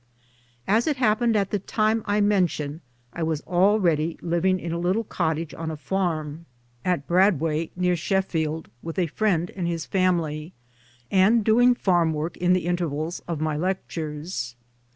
As it happened at the time I mention I was already living in A Note 513 a little cottage on a farm (at Bradway, near Sheffield) with a friend and his family, and doing farm work in the intervals of my lectures.